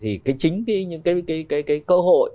thì cái chính cái cơ hội